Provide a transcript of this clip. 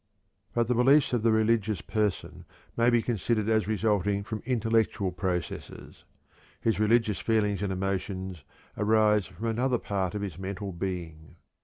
But the beliefs of the religious person may be considered as resulting from intellectual processes; his religious feelings and emotions arise from another part of his mental being.